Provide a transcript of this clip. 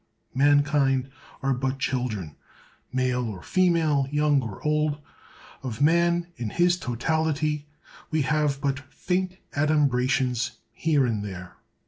Mankind are but children, male or female, young or old; of man, in his totality, we have but faint adumbrations, here and there.